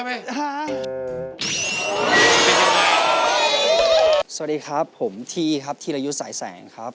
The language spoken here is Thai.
สวัสดีครับผมทีครับธีรยุทธ์สายแสงครับ